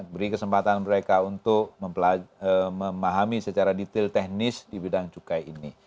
beri kesempatan mereka untuk memahami secara detail teknis di bidang cukai ini